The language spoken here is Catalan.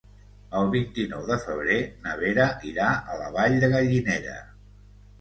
El vint-i-nou de febrer na Vera irà a la Vall de Gallinera.